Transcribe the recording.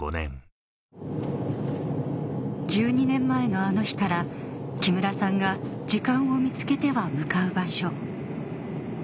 １２年前のあの日から木村さんが時間を見つけては向かう場所